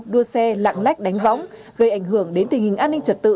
đua xe lạng lách đánh võng gây ảnh hưởng đến tình hình an ninh trật tự